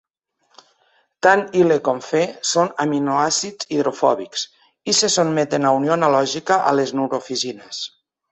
Tant Ile com Phe són aminoàcids hidrofòbics i se sotmeten a unió analògica a les neurofisines.